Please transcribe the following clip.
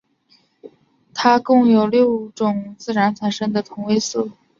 它共有六种自然产生的同位素。